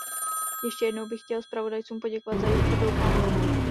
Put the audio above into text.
Ještě jednou bych chtěl zpravodajům poděkovat za jejich tvrdou práci.